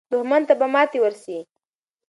دښمن ته به ماته ورسي.